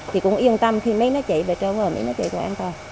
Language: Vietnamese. thì cũng yên tâm khi mấy nó chạy về trong rồi mấy nó chạy vào an toàn